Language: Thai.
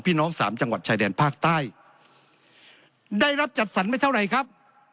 พี่น้องสามจังหวัดชายแดนภาคใต้ได้รับจัดสรรไปเท่าไรครับ